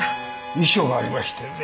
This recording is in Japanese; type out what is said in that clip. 遺書がありましてね。